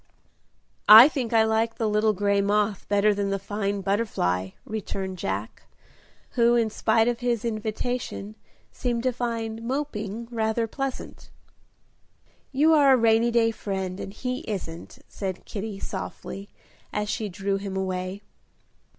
"I think I like the little gray moth better than the fine butterfly," returned Jack, who, in spite of his invitation, seemed to find "moping" rather pleasant. "You are a rainy day friend, and he isn't," said Kitty, softly, as she drew him away.